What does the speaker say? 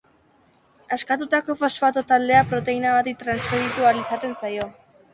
Askatutako fosfato taldea proteina bati transferitu ahal izaten zaio.